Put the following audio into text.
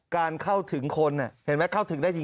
การเข้าถึงคนเห็นไหมเข้าถึงได้จริง